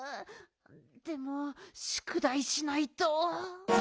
でもしゅくだいしないと。